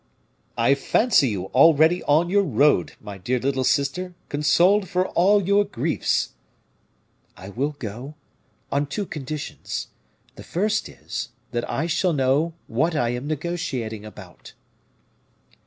"I fancy you already on your road, my dear little sister, consoled for all your griefs." "I will go, on two conditions. The first is, that I shall know what I am negotiating about."